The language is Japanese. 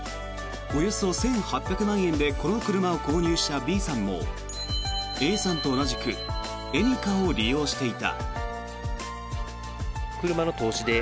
およそ１８００万円でこの車を購入したＢさんもＡさんと同じくエニカを利用していた。